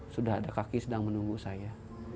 sudah ada kaki sedang menunggu saya